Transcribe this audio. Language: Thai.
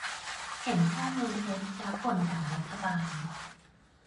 - เห็นข้อมูลเท็จ แล้วก่นด่ารัฐบาล